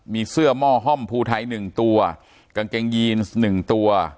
มีเสื้อม่อห้อมภูไทนึงตัวกางเกงยีนด์นึงตัว